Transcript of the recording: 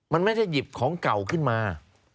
มันไม่ได้หยิบของเก่าขึ้นมา